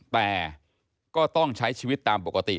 แต่ก็ต้องใช้ชีวิตตามปกติ